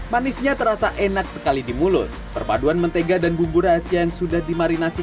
manisnya terasa enak sekali di mulut perpaduan mentega dan bumbu rahasia yang sudah dimarinasi